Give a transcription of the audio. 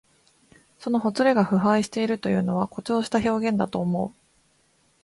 そのほつれが腐敗しているというのは、誇張した表現だと思う。